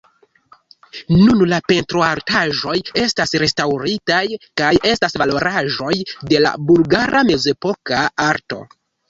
Nun la pentroartaĵoj estas restaŭritaj kaj estas valoraĵoj de la bulgara mezepoka arto.